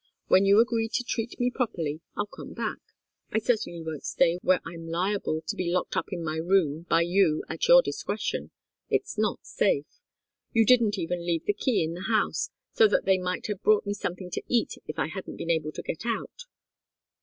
When you agree to treat me properly, I'll come back. I certainly won't stay where I'm liable to be locked up in my room by you at your discretion. It's not safe. You didn't even leave the key in the house, so that they might have brought me something to eat if I hadn't been able to get out."